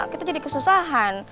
kita jadi kesusahan